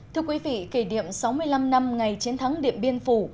thưa quý vị kể điểm sáu mươi năm năm ngày chiến thắng điệm biên phủ